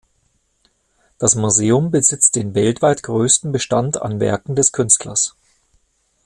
Das Museum besitzt den weltweit größten Bestand an Werken des Künstlers.